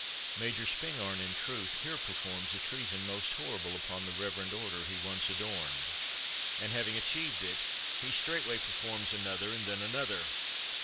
Major Spingarn, in truth, here performs a treason most horrible upon the reverend order he once adorned, and having achieved it, he straightway performs another and then another.